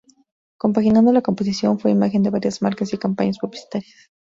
Compaginando la composición, fue imagen de varias marcas y campañas publicitarias.